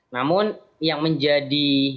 namun yang menjadi